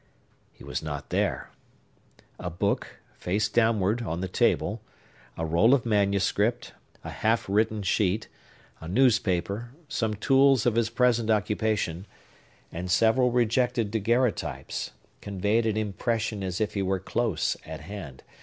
He was not there. A book, face downward, on the table, a roll of manuscript, a half written sheet, a newspaper, some tools of his present occupation, and several rejected daguerreotypes, conveyed an impression as if he were close at hand.